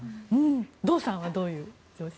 堂さんはどういう上司が？